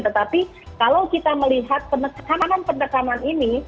tetapi kalau kita melihat penekanan penekanan ini